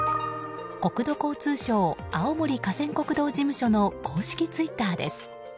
国土交通省青森河川国道事務所の公式ツイッターです。